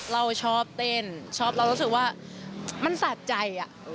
เราชอบเต้นชอบเรารู้สึกว่ามันสะใจ